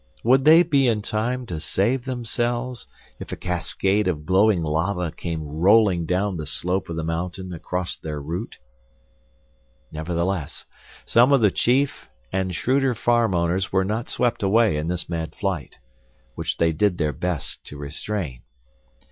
Would they be in time to save themselves, if a cascade of glowing lava came rolling down the slope of the mountain across their route? Nevertheless, some of the chief and shrewder farm owners were not swept away in this mad flight, which they did their best to restrain.